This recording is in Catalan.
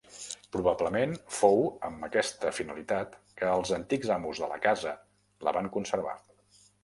Probablement fou amb aquesta finalitat que els antics amos de la casa la van conservar.